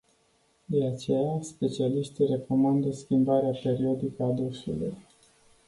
De aceea, specialiștii recomandă schimbarea periodică a dușului.